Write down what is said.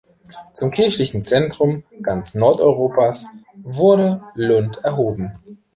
Zum kirchlichen Zentrum ganz Nordeuropas wurde Lund erhoben.